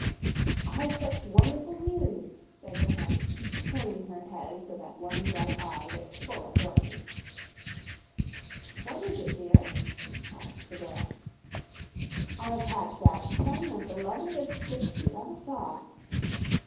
"I've such wonderful news," said the hen, turning her head so that one bright eye looked full at Dorothy. "What is it, dear?" asked the girl. "I've hatched out ten of the loveliest chicks you ever saw."